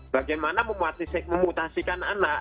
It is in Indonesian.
bagaimana memutasikan anak